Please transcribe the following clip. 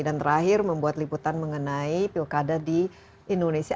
dan terakhir membuat liputan mengenai pilkada di indonesia